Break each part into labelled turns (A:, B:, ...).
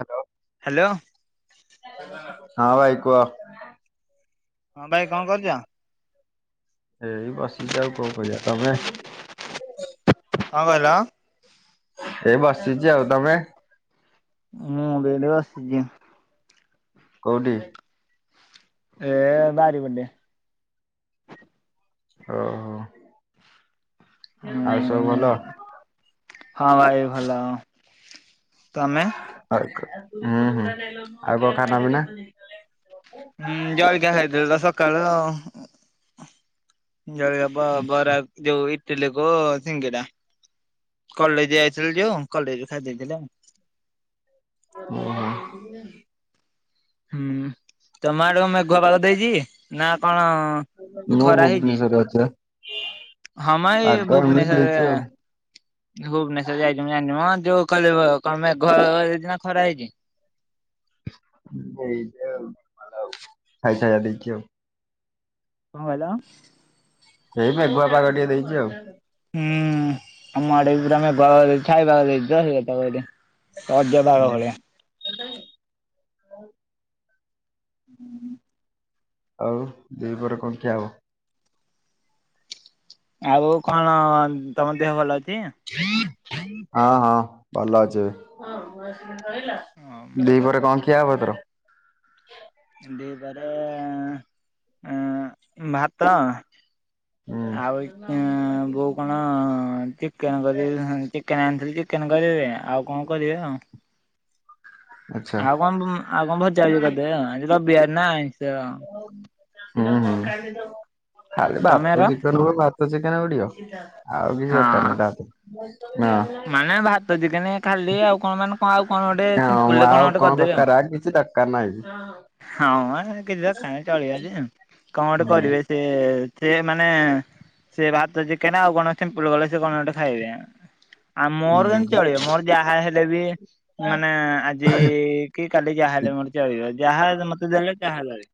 A: Hello.
B: Hello
A: ହଁ ଭାଇ କୁହ।
B: ହଁ ଭାଇ କଣ କରୁଛ?
A: ଏଇ ବସିଛି ଆଉ କଉ କରିବା ତମେ।
B: କଣ କହିଲ?
A: ଏଇ ବସିଛି ଆଉ ତମେ।
B: ମୁଁ ବି ଏଟି ବସିଛି।
A: କଉଟି।
B: ଏ ବାରି ପଟେ।
A: ଓ ହୋ। ଆଉ ସବୁ
B: ହୁଁ
A: ଭଲ?
B: ହଁ ଭାଇ ଭଲ। ତମେ?
A: ହୁଁ ହୁଁ ଆଉ କଣ ଖାନା ପିନା?
B: ହୁଁ ଜଳିକିଆ ଖାଉଥିଲି ତ ସକାଳୁ ଆଉ। [unintelligible] ବରା ଯଉ ଇ ଟିଲି କୁ ସିଙ୍ଗିଡା। କଲେଜ ଯାଇଥିଲି ଯେ ଅଙ୍କଲ [inaudible] ଦେଇଦେଲେ ଆଉ।
A: ଓହୋ। [inaudible]
B: ହୁଁ ତମ ଅଡ଼ୁଆ ମେଘୁଆ ବାଳ ଦେଇଛି ନା କଣ
A: ମୁଁ
B: ଖରା ହେଇଛି?
A: ଭୁବନେଶ୍ୱରରେ ଅଛି ବା।
B: ହଁ ମ ଏଇ
A: ପାଗ ଏମିତି
B: ଭୁବନେଶ୍ଵରରେ
A: ଦେଇଛି ଆଉ
B: ଭୁବନେଶ୍ୱର ଯାଇଚି ମୁଁ ଜାଣନି ମ। ଯୋଉ କହଲେ କ-କଣ ମେଘ ହେଇଚି ନା ଖରା ହେଇଛି?
A: [inaudible]
B: କଁ କଇଲ?
A: ଏଇ ମେଘୁଆ ପାଘ ଟିକେ ଦେଇଛି ଆଉ।
B: ହୁଁ ଆମ ଆଡେ ପୁରା ମେଘୁଆ ପାଗ ଦେଇ ଛାଇ ପାଗ। [unintelligible] ରଜପାଗ ଭଳିଆ।
A: [inaudible]
B: [unintelligible]
A: ଆଉ ଦିପହରେ କ ଖିଆହବ?
B: ଆଉ କଣ ତମ ଦେହ ଭଲ ଅଛି
A: [inaudible] ହଁ ହଁ ଭଲ ଅଛି ଏବେ। ଦିପହରେ କଣ କିଏ ୟାଭିତରୁ?
B: [unintelligible] ଆଁ-ଭାତ
A: ହୁଁ
B: ଆଉ ଏକେଁ-ବୋଉ କଣ ଚିକେନ କରି ଆଁ-ଚିକେନ ଆଣି ଯଦି ଚିକେନ କରିବେ ଆଉ କଣ କରିବେ ଆଉ।
A: ଆଚ୍ଛା
B: ଆଉ କଣ ବୁମ୍ ଆଉ କଣ ଭଜା ବି କରିଦେବେ ଆଉ, ଆଜି ରବିବାର ନାଇଁ। [unintelligible]
A: ହୁଁ ହୁଁ। ଖାଲି ଭାତ
B: ତମର
A: ଚିକେନକୁ ନା ତୋ ଚିକେନ ଉଡିିବ। ଆଉ କିଛି ଦରକାର
B: ହଁ
A: ନାହିଁ ତା ଦେ। [unintelligible]
B: ମାନେ ଭାତ ଚିକେନ ଖାଲି ଆଉ କଣ ମାନେ ହଁ ଆଉ। କଣ ଗୋଟେ
A: ହଁ
B: ସିମ୍ପୁଲରେ
A: ଆଉ
B: ଗୋଟେ
A: କଣ
B: କରିଦେବେ ଆଉ।
A: ଦରକାର ଆ କିଛି ଦର କା ନହିଁ। [unintelligible]
B: ହଁ କିଛି ଦେଖା ଚଳିବ ଯେ କଣ ଗୋଟେ
A: ହୁଁ
B: କରିବେ ସେ। ସେ ମାନେ ସେ ଭାତ ଚିକେନ ଆଉ କନ ସିମ୍ପଲ ଗଲେ ସେ କଣ ଗୋଟେ ଖାଇବେ। ଆଉ ମୋର
A: ହୁଁ
B: ସେମିତି ଚଳିବ ମୋର ଯାହା ହେଲେ ହେଲେ ବି ମାନେ ଆଜି କି କାଲି ଯାହାହେଲେ ମୋର ଚଳିବ। ଯାହା ମୋତେ ଦେଲେ ତାହା ଲଗେଇ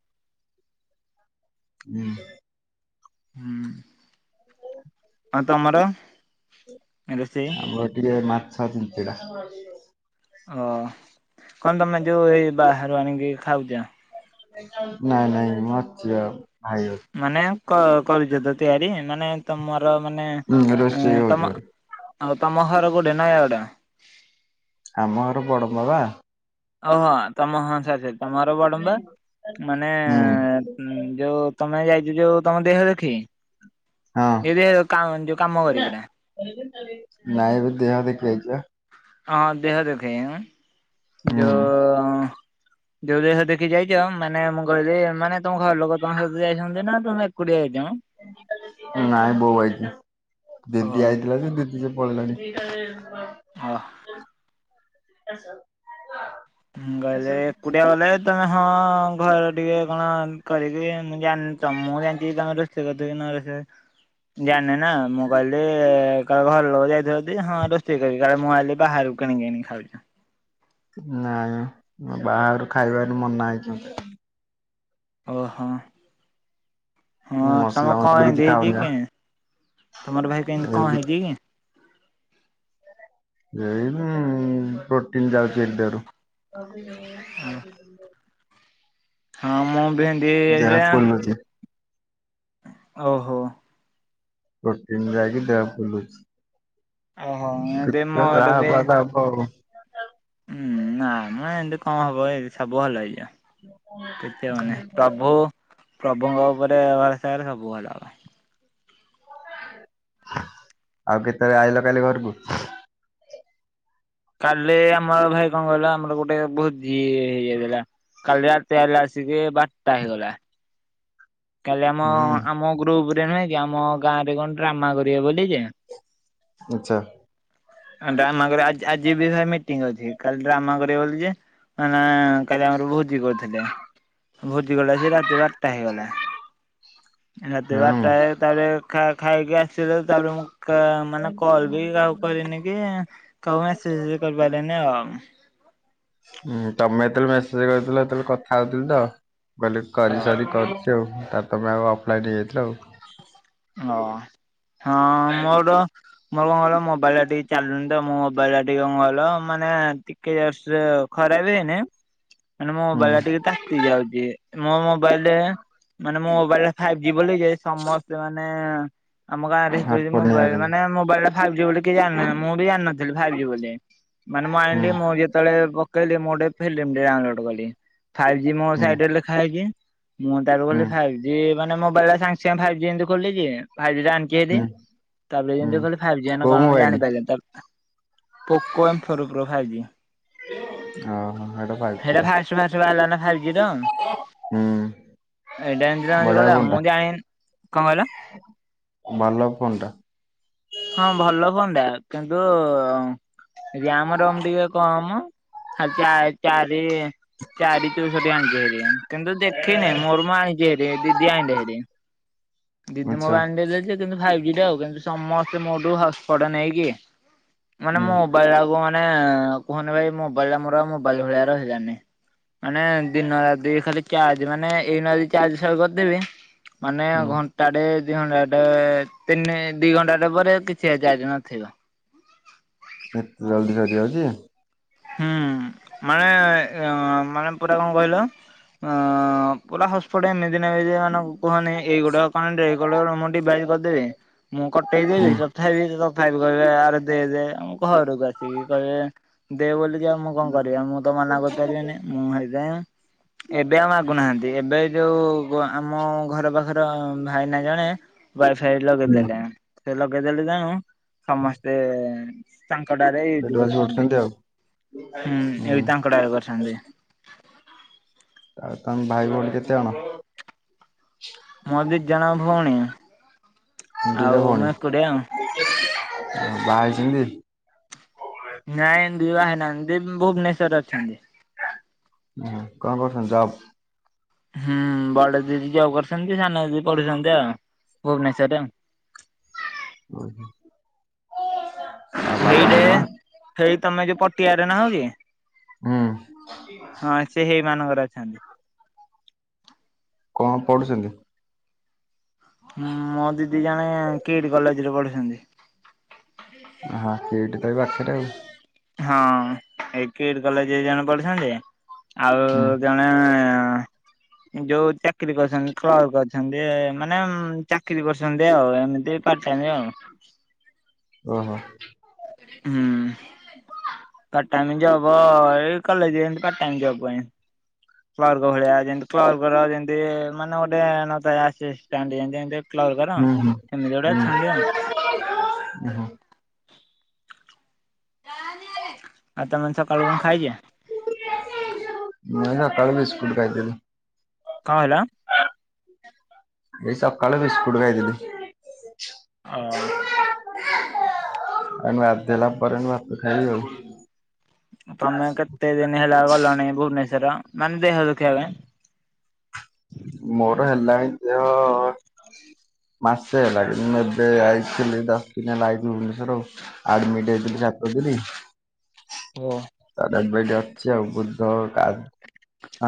A: ହୁଁ।
B: ହୁଁ। ହଁ ତମର ରୋଷେଇ
A: ଛ ଛିଞଛେଡ଼ା।
B: ଓ କଣ ତମେ ଯୋଉ ଏଇ ବାହାରୁ ଆଣିକି ଖାଉଛ।
A: ନାଇଁ ନାଇଁ ମଁ ଝିଅ।
B: ମାନେ। କରୁଛ ତ ତିଆରି ମାନେ ତମର ମାନେ
A: ରୋଷେଇ ହଉଛି
B: ତମ
A: ଘରେ
B: ଆଉ ତମ ଘର କୋଉଠି ନୟାଗଡ଼।
A: ଆମ ଘର ବଡ଼ମ୍ବା ପା।
B: ଓହୋ ତମ ହଁ ସରି ସାରି। ତମର ବଡମ୍ବା ମାନେ
A: ହୁଁ
B: ଯୋଉ ତମେ ଆଜି ଯାଇଛ ଯୋଉ ତମ ଦେହ ଦେଖି।
A: ହଁ।
B: ଯଦି କ ଯୋଉ କାମ କରିବୁନା।
A: ନାଇଁ ଏ ଦେହ ଦେଖେଇ ଆଇଛି ପା।
B: ହଁ ଦେହ ଦେଖେଇ।
A: ହୁଁ।
B: ଯଉ ଯୋଉ ଦେହ ଦେଖେଇ ଯାଇଛ ମାନେ ମୁଁ କହିଲି ମାନେ ତମ ଘର ଲୋକ ତମ ସହିତ ଯାଇଛନ୍ତି ନା ତମେ ଏକୁଟିଆ ଯାଇଛ। ମ?
A: ନାଇଁ ବୋଉ ଆଇଚି
B: ଓହୋ
A: ଦିଦି ଆଇଥିଲା ଯେ ଦିଦି ପଳେଇଲାଣି।
B: ଓ ହ।
A: [unintelligible]
B: ମୁ ଗଲେ ଏକୁଟିଆ ଗଲେ ତମେ ହଁ ଘର ଟିକେ କଣ କରିକି ମୁ ଜାନିଣି ତ ମୁଁ ଜାଣିଛି ତମେ ରୋଷେଇ କରିଥିବା କି ନ ରୋଷେଇ ଜାଣିନି ନା। ନା ମୁଁ ଗଲି କା ଘର ଲୋକ ଯାଇଥନ୍ତି ହଁ ରୋଷେଇ କରି କାଳେ ମୁଁ ଆଜି ବାହାରୁ କିଣିକି ଆଣିକି ଖାଉଛି।
A: ନାଇଁ ବାହାରୁ ଖାଇବାର ମନା ହେଇଛି ମତେ।
B: ଓ ହଁ ହଁ
A: ମୁଁ
B: ତମ
A: ମସଲା ମସଲି
B: କଣ
A: କିଛି
B: ଏମିତି ହେଇଛି
A: ଖାଉନି ବା।
B: କି ତମର ଭାଇ ଏମିତି
A: ଏଇ
B: କଣ ହେଇଛି କି?
A: ଏଇନୁ ପ୍ରୋଟିନ୍ ଯାଉଛି ଭାରି ଦେହରୁ। [unintelligible]
B: ହଁ ମୁଁ ବେଣ୍ଡି
A: ଦେହ
B: ହେଇଯାଇଥିଲା।
A: ଫୁଲୁଛି
B: ଓହୋ।
A: ପ୍ରୋଟିନ ଯାଇକି ଦେହ
B: ଓହୋ
A: ଫୁଲୁଚି।
B: ଏମିତି
A: ଦେଖା
B: ମୋର
A: ଯାହା
B: ବି
A: ହବା କଥା ହବ ଆଉ।
B: ହୁଁ ନାମ ଏମିତି କଣ ହବ କି ସବୁ ଭଲ ହେଇଯିବ। କିଛି ହବନି ପ୍ରଭୁ ପ୍ରଭୁଙ୍କ ଉପରେ ତାର ସବୁ ହେଲା ଭାଇ।
A: ଆଉ କେତେବେଳେ ଆଇଲ କାଲି ଘରକୁ?
B: କାଲି ଆମର ଭାଇ କଣ କହିଲ ଆମର ଗୋଟେ ଭୋଜି ଇଏ ହେଇଥିଲା କାଲି ରାତି ହେଲା ଆସିକି ବାରଟା ହେଇଗଲା। କାଲି ଆମ
A: ହୁଁ
B: ଆମ ଗ୍ରୁପ ରେ ତେଣୁ ନୁହେଁ କି ଆମ ଗାଁ ରେ କଣ ଡ୍ରାମା କରିବେ ବୋଲି ଯେ
A: ଆଚ୍ଛା
B: [unintelligible] ଆଜି ଆଜି ଯିବି ଭାରି ମିଟିଙ୍ଗ ଅଛି କାଲି ଡ୍ରାମା କରିବେ ବୋଲି ଯେ ମାନେ କାଲି ଆମର ଭୋଜି କରି ଥିଲି ଭୋଜି କଲାବେଳକୁ ସେଇ ରାତିରେ ବାରଟା ହେଇଗଲା। ରାତି
A: ହୁଁ।
B: ବାରଟା ବେଳେ ତାପରେ ଖା ଖାଇକି ଆସିଲୁ ତାପରେ ମୁଁ କା ମାନେ କଲ ବି କାହାକୁ କରିନି କି କାହାକୁ ମେସେଜ କରିପାରିଲିନି ଆଉ।
A: ହୁଁ ତମେ ଯେତେବେଳେ ମେସେଜ କରିଥିଲ ହେତେବେଳେ କଥା ହଉଥିଲି ତ ଭାବିଲି
B: ଓ
A: କରି ସାରି କରୁଛି ଆଉ। ତାହେଲେ ତମ ଆଉ ଅଫଲାଇନ ହେଇ ଯାଇଥିଲ ଆଉ।
B: ହଁ ହଁ ମୋର ମୋର କଣ କହିଲ ମୋବାଇଲ ଟା ଟିକେ ଚାଲୁନି ତ ମୋ ମୋବାଇଲ ଟା ଟିକେ କଣ କହିଲ ମାନେ ଟିକେ ସେ ଖରାପ ହେଇନି ମାନେ ମୋ
A: ହୁଁ।
B: ମୋବାଇଲ ଟା ଟିକେ ତାତି ଯାଉଚି। ମୋ ମୋବାଇଲରେ ମାନେ ମୋ [unintelligible] ବୋଲି ଯାଇ ସମସ୍ତ ସେମାନେ ଆମ ଗାଁରେ ହେତେବେଳେ
A: ହଟସ୍ପଟ ନେଇ
B: ମୋବାଇଲ
A: ଯାଉଛନ୍ତି
B: ମାନେ ମୋବାଇଲ ଟା ବାହାରିଚି ବୋଲି କିଏ ଜାଣିନ ମୁଁ ବି ଜାଣିନଥିଲି ବାହାରିଚି ବୋଲି ମାନେ ମୁଁ
A: ହୁଁ
B: ଆଣିଲି ମୁଁ ଯେତେବେଳେ କହିଲେ ମୁଁଟେ ଫିଲିମି ଟେ ଡାଉନଲୋଡ କଲି। ଫାଇଭ୍ ଜି ମୋ
A: ହୁଁ
B: ସାଇଡ଼ରେ ଲେଖାହେଇଜି। ମୁଁ ତାର
A: ହୁଁ
B: କଲି ଫାଇଭ୍ ଜି। ମାନେ ମୋବାଇଲ୍ ସାଙ୍ଗେସାଙ୍ଗେ ଫାଇଭି ଯେମିତି ଖୋଲିଚି ଏ। ଫାଇଭଜି ଟା ଆଣିକିରି
A: ହୁଁ
B: ତାପରେ
A: ହୁଁ
B: ଯେମତି କହିଲେ ଫାଇଭ୍ ଜି ଆଣିନେ
A: କୋଉ
B: କଣ
A: ମୋବାଇଲ
B: ଯାଣିପାଇଲିନି ତାପରେ Poco M four four pro five G
A: ଓହୋ ହେଟା ଫାଇଭ୍ ଜି
B: ସେଟା
A: ଟା
B: ଫାଷ୍ଟ ଫାଷ୍ଟ ବାହାରିଲ ନା ଇଟା
A: ହୁଁ
B: ଏଇଟା ଏମତିଆ
A: ବଢିଆ
B: ହେଇଗଲା ମୁଁ ଜାଣିନି କଣ ହେଲା?
A: ବଲ୍ଲଭପଣ୍ଡା।
B: ହଁ ଭଲ ହୁଅନ୍ତା କିନ୍ତୁ? ରିଆମ ରମ୍ ଟିକେ କଅ ମ। ଖାଲି ଚାଏ ଚାଏ ଇଏ ଚାରି ଚଉଷଠି ଆଣି ହରେ [inaudible] କିନ୍ତୁ ଦେଖିନି ମୋର ମୁଁ ଆଣି କିଏରେ ଦିଦି ଆଇଲେଁ ହେରି। ଦିଦି ମୋ
A: ଆଚ୍ଛା
B: ବାଣି କିନ୍ତୁ ଭାଇ [inaudible] ଦିଟା ଉ କିନ୍ତୁ ସମସ୍ତେ ମୋଠୁ ହସସଟ୍ ନେଇକି ମାନେ
A: ହୁଁ
B: ମୋ ମୋବାଇଲ୍ ଆଉକମାନେ। ଆଉ କୁହନି ଭାଇ ମୋବାଇଲ୍ ଆଉ ମୋର ମୋବାଇଲ୍ ଭଳିଆ ରହିଲାନି। ମାନେ ଦିନ ରାତି ଖାଲି। ଚାର୍ଜ ମାନେ ଏଇନା ଯଦି ଚାରିଶ କରିଦେବି ମାନେ
A: ହୁଁ
B: ଘଁ ଦି ଘଣ୍ଟାଟେ ତିନି ଦି ଘଣ୍ଟାଟେ ପରେ କିଛି ଏ ଚାର୍ଜ ନଥିବ।
A: ଏତେ ଜଲଦି ସଜିଯାଉଚି।
B: ହୁଁ ମାନେ ୟଁ ମାନେ ପୁରା କଣ କହିଲ ଅ ପୁରା ହସ୍ ପଟ୍ ଏମି ନେବେ ଯେ ମାନେ କୁହନ ଏଇୋଟ କଣ [inaudible] ମୁଁ ଡିବାଇଜ୍ କରିଦେବି ମୁଁ
A: ହୁଁ
B: କଟେଇଦେବି ତଥାବି ସି ତ ଭାଇ କୁ କହିବେ ଆର ଦେଇଦେ ଆ ମୁଁ ଘରକୁ ଆସିକି କହିବେ। ଦେଓଲି ଜି ଆ ମୁଁ କଁ କରିବି ମୁଁ ତ ମନା କରିପାଇଲିନେଇ ମୁଁ ହେଇଥି ଆଇଁ ଏବେ ଆଉ ମାଗୁନାହାନ୍ତି ଏବେ ଯୋଉ। ବ ଆମ ଘର ପାଖର ଭାଇନା ଜଣେ। ୱାଇଫାଇ
A: ହୁଁ
B: ଲଗେଇଦେଲେ ସେଲ ଲଗେଇଦେଲେ ଜାଣୁ ସମସ୍ତେ ତାଙ୍କ ଡାରେ ୟେ ବି
A: ସେଠୁ ଆସି
B: କରୁଛନ୍ତି।
A: ଆଉ
B: ହୁଁ ଏଇ ତାଙ୍କଡ଼ାରେ କରିଛନ୍ତି।
A: ଆଉ ତାଙ୍କ ଭାଇ ଭଉଣୀ କେତେ ଅଣ?
B: ମୋ ଦିଦ୍ ଜନ ଭଉଣୀ। ଆଉ
A: ଦିଟା ଭଉଣୀ
B: ମୁଁ ଏକୁଟିଆ ଆଉ।
A: ବାହା ହେଇଛନ୍ତି?
B: ନାଇଁ। କିଏ ବାହେଇ ନାହାଁନ୍ତି ଭୁବନେଶରରେ ଅଛନ୍ତି।
A: ହଁ କଣ କରୁଚନ୍ତି ଯବ୍?
B: ହୁଁ ବଡ ଦିଦି ଯବ୍ କରୁଛନ୍ତି ସାନ ଦିଦି ପଢୁଛନ୍ତି ଆଉ ଭୁବନେଶରରେ।
A: [unintelligible]
B: ହେଇଟେ
A: ମାମା
B: ହେଇ ତମେ ଯେ ପଟ୍ ପଟିଆରେ ନାହଁ କି
A: ହୁଁ
B: ହଁ ସେ ହେଇ ମାନଙ୍କର ଅଛନ୍ତି।
A: ହଁ ପଢୁଛନ୍ତି।
B: ହଁ ମୋ ଦିଦି ଜଣେ କିଟି କଲେଜରେ ପଢ଼ୁଚି। [unintelligible]
A: ହଁ କିଟ୍ ସେ ପାଖରେ ଆଉ।
B: ହଁ ଏ କିଟ୍ କଲେଜରେ ଜଣେ ପଡ଼ୁଛନ୍ତି। ଆଉ
A: ହୁଁ
B: ଜଣେ ଯୋଉ ଚାକିରି କରୁଛନ୍ତି କ୍ଲର୍କ ଅଛନ୍ତି, ମାନେ ଚାକିରି କରୁଛନ୍ତି ଆଉ ଏମିତି ପାଟ୍ ଟାଇମ ଆଉ।
A: ଓହୋ
B: ହୁଁ ପାଟ୍ ଟାଇମ ଜବ ଏଇ କଲେଜରେ ଏମିତି ପାଟ୍ ଟାଇମ ଜବ ପାଇଁ। କ୍ଲର୍କ ଭଳିଆ ଯେମିତି କ୍ଲର୍କର ପେମିତି ମାନେ ଗୋଟେ ନ ଥାଏ ଆର୍ ସି ଷ୍ଟାଣ୍ଡ୍ ଯେମିତି କ୍ଲର୍କର
A: ହୁଁ ହୁଁ
B: ସେମିତି ଗୋଟେ ଅଛନ୍ତି ଆଉ।
A: ଉଁ ହୁଁ।
B: ଆଜି ତମେମାନେ ସକାଳୁ କଣ ଖାଇଛ?
A: ମୁଁ ଏ ସକାଳୁ ବିସ୍କୁଟ ଖାଇଥିଲି।
B: କ ହେଲା?
A: ଏଇ ସକାଳୁ ବିସ୍କୁଟ ଖାଇଥିଲି।
B: ହଁ।
A: ଗାଧେଇଲା ପରେ ମୁଁ ଭାତ ଖାଇବି ଆଉ।
B: ତମେ କେତେ ଦିନ ହେଲା ଗଲାଣି ଭୁବନେଶ୍ [unintelligible] ମାନେ ଦେହ ଦେଖେଇବା ପାଇଁ।
A: ମୋର ହେଲାଣି ଦେହ ମାସେ ହେଲାଣି ମୁଁ ଏବେ ଆସିଥିଲି ଦଶ ଦିନ ହେଲା ଏଇ ଭୁବନେଶ୍ଵର ଆଡମିଟ୍ ହେଇଥିଲି ସାତ ଦିନି
B: ହୁଁ।
A: [unintelligible] ସନିବାର ରିପୋର୍ଟ୍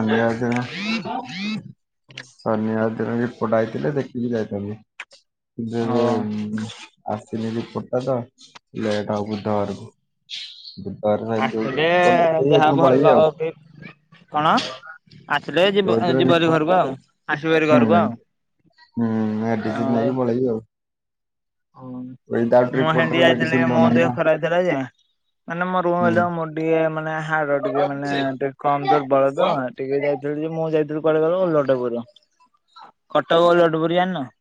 A: ଆଇଥିଲେ ଦେଖିକି ଯାଇଥାନ୍ତି। ଯେବେ
B: ହୋ
A: ଆସିନି ରିପୋର୍ଟ୍ ଟା ତ ଲେଟ ହବ ବୁଧବାର କୁ। କାରଣ ଏମିତି
B: ହେ ଯାହା ଭଲ କି କଣ ଆ ଏ
A: ଯୋଉଦିନ ରିପୋର୍ଟ
B: ଯିବହାରି ଘରକୁ ଆଉ ଆସିବ ହାରି
A: ହୁଁ
B: ଘରକୁ ଆଉ
A: ହୁଁ ମେଡିସିନ ନେଇକି ପଳେଇବି ଆଉ ୱିଦାଉଟ୍
B: ମୁଁ ହେନ୍ତି
A: ରିପୋର୍ଟରେ
B: ଯାଇଥିଲି
A: ମେଡିସିନ
B: ମୋ ଦେହ
A: ଦଉନାହାନ୍ତି
B: ଖରାପ ହେଇଥିଲା ଯେ ମାନେ
A: ନା।
B: ମୋର ଟିକେ ମାନେ ହାଡ ଟିକେ ମାନେ
A: ହୁଁ
B: ଟିକେ କମ ଜୋର ବଳ ତ ଟିକେ ଯାଇଥିଲୁ ଯେ ମୁଁ ଯାଇଥିଲି। [unintelligible]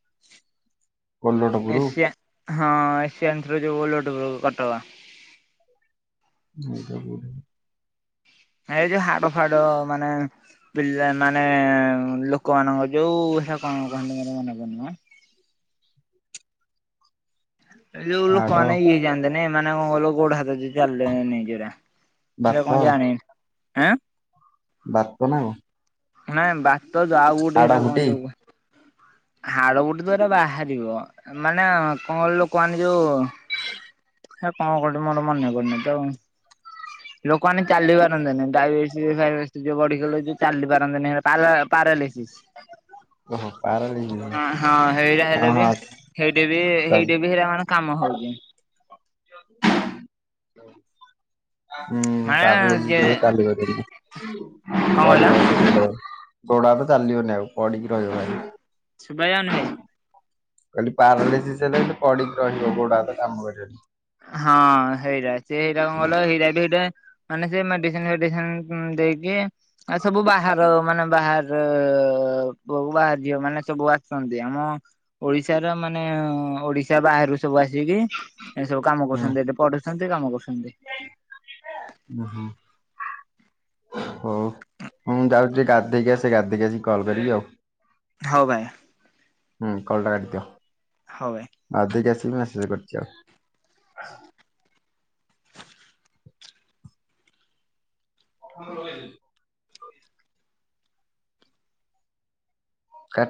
A: କୋଲଟ ପୁରୁ।
B: ଏସିଆ ହଁ ଏସିଆନ୍ [unintelligible]
A: [unintelligible]
B: ଏ ଯୋଉ ହାଡ ଫାଡ ମାନେ [unintelligible] ମାନେ ଲୋକମାନାନଙ୍କ ଯୋଉ ହେରା କଣ କୁହନ୍ତିମ ମୋର ମନେ ପଡୁନି। ଏ ଜୋଉ ଲୋକ
A: ହାଡ଼
B: ମାନେ [unintelligible] ଏ ମାନେ କଣ କହିଲ ଗୋଡ ହାତ ଯେମିତି ଚାଲିଲେ [unintelligible] ଏଟା କଣ ଜଣିନି। ଆଁ।
A: ବାପ ନାଁ କଣ
B: ନାଇଁ ବା [unintelligible]
A: ହାଡ଼ ଫୁଟି
B: ହାଡ଼ ଗୋଟେ ତ ଏଇନା ବାହାରିବ ମାନେ [unintelligible] କହନ୍ତି ଯୋଉ କଣ କହନ୍ତି ମୋର ମନେ ପଡୁନି [unintelligible] ଲୋକମାନେ ଚାଲି ପାରନ୍ତେନି ଡାଇବେଟିସ୍ ଫାଇବେଟିସ୍ ବଢ଼ି ଗଲେ ଚାଲି ପାରନ୍ତେନି ପାରା ପାରାଲିସିସ୍।
A: ଓହୋ ପାରାଲିସିସ୍
B: ହଁ ହେଇରା
A: ହଁ
B: ହେଲେ ବି
A: ହଁ
B: ହେଇଟି ବି
A: ଚାଲ
B: ହେଇଟି ବି ହେରା ମାନେ କାମ ହଉଚି।
A: [inaudible] ହୁଁ ହୁଁ
B: ମାନେ
A: ପାାଗେଲି
B: ଯେ
A: [unintelligible] ଚାଲି [unintelligible] ଗୋଡ଼
B: କଣ କହିଲ
A: ହାତ ଚାଲିବନି ଆଉ ପଡି଼କି ରହିବ ଭାଇ।
B: ଶୁଭାଜାଉନି ଭାଇ।
A: କହିଲି ପାରାଲିସିସ୍ ହେଲେ ପିଡି଼କି ରହିବ ଗୋଡ଼ ହାତ କାମ କରିବନି।
B: ହଁ ହେଇରା ସେ ହେଇରା କଣ କହିଲ ହଇରା ବି ହେଇଟେ ମାନେ ସେ ମେଡ଼ିସିନ୍ ଫେଡି଼ସିନ୍ ଦେଇକି ଆ ସବୁ ବାହାର ମାନେ ବାହାରେ ସବୁ ବାହା ଝିଅ ମାନେ ସବୁ ଆସିନ୍ତି ଆମ ଓଡ଼ିଶା ର ମାନେ ଓଡ଼ିଶା ବାହାରୁ ସବୁ ଆସିକି ଏଇ ଯୋଉ କାମ କରୁଛନ୍ତି ଏଠି ପଢୁଛନ୍ତି। କେତେ କାମ କରୁଚୁ
A: ଓୁ ହୁଁ। ହଉ ମୁଁ ଯାଉଛି ଗାଧେଇକି ଆସ ଗାଧେଇକି ଆସି କଲ୍ କରିବି ଆଉ।
B: ହଉ ଭାଇ।
A: ହୁଁ କଲଟ କରିଦିଅ।
B: ହଉ ଭାଇ।
A: [inaudible] ଆ ଦେଇକି କେସ ମେସେଜ କରଛି ଆଉ। [inaudible] ଆଉ।